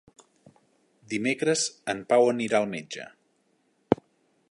Dimecres en Pau anirà al metge.